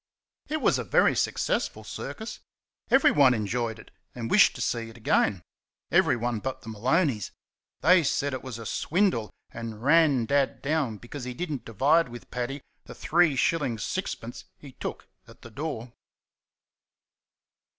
It was a very successful circus. Everyone enjoyed it and wished to see it again everyone but the Maloneys. They said it was a swindle, and ran Dad down because he did n't divide with Paddy the 3s. 6d. he took at the door.